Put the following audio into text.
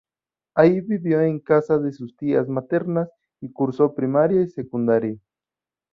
Allí vivió en casa de sus tías maternas y cursó primaria y secundaria.